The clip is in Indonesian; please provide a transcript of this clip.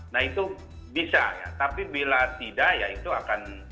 nah itu bisa ya tapi bila tidak ya itu akan